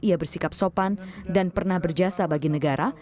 ia bersikap sopan dan pernah berjasa bagi negara